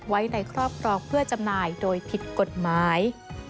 ไว้ในครอบครองเพื่อจำหน่ายโดยผิดกฎหมาย